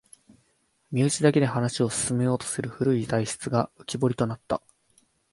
身内だけで話を進めようとする古い体質が浮きぼりとなった